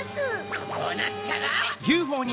こうなったら！